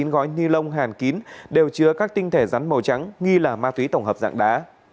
chín gói ni lông hàn kín đều chứa các tinh thể rắn màu trắng nghi là ma túy tổng hợp dạng đá